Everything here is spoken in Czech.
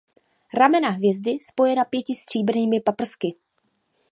Ramena hvězdy spojena pěti stříbrnými paprsky.